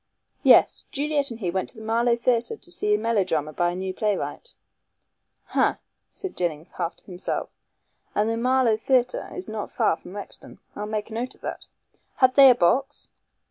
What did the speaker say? "Yes. Juliet and he went to the Marlow Theatre to see a melodrama by a new playwright." "Ha!" said Jennings half to himself, "and the Marlow Theatre is not far from Rexton. I'll make a note of that. Had they a box?"